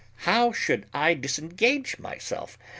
How should I disengage myself?